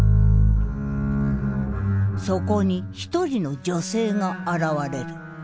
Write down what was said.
そこに一人の女性が現れる。